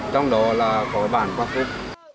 trong đó là có bản quang phúc